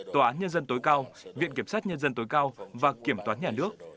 tòa án nhân dân tối cao viện kiểm sát nhân dân tối cao và kiểm toán nhà nước